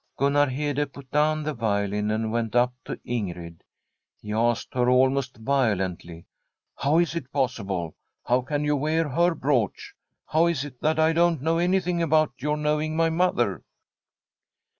Gunnar Hede put down the violin and went up to Ingrid. He asked her almost violently :* How is it possible — ^how can you wear her brooch? How is it that I don't know anything about your knowing my mother?